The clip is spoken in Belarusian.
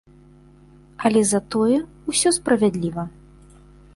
Але затое ўсё справядліва.